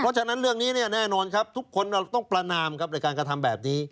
เพราะฉะนั้นเรื่องนี้เนี่ยแน่นอนครับทุกคนเราต้องประนามครับในการกระทำแบบนี้